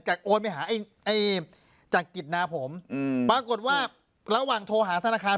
โอนไปหาไอ้จักริตนาผมอืมปรากฏว่าระหว่างโทรหาธนาคาร